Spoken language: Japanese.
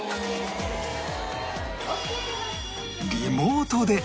リモートで！